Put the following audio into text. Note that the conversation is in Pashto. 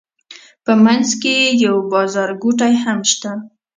په منځ کې یې یو بازارګوټی هم شته.